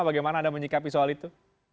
bagaimana anda menyikapi soal itu